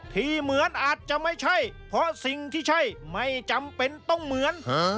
ที่เหมือนอาจจะไม่ใช่เพราะสิ่งที่ใช่ไม่จำเป็นต้องเหมือน